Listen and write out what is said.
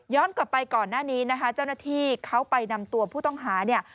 กลับไปก่อนหน้านี้นะคะเจ้าหน้าที่เขาไปนำตัวผู้ต้องหาเนี่ย